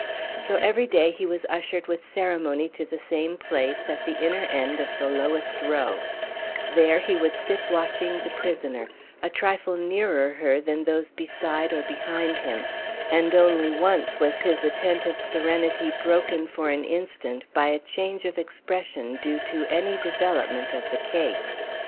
So every day he was ushered with ceremony to the same place, at the inner end of the lowest row; there he would sit watching the prisoner, a trifle nearer her than those beside or behind him; and only once was his attentive serenity broken for an instant by a change of expression due to any development of the case.